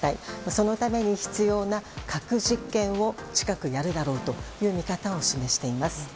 そのために必要な核実験を近くやるだろうという見方を示しています。